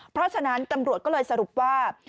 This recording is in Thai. เพราะฉะนั้นตำรวจก็เลยสรุปว่า